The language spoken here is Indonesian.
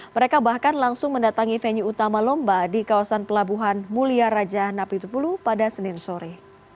mereka bahkan langsung mendatangi venue utama lomba di kawasan pelabuhan mulia raja napitupulu pada senin sore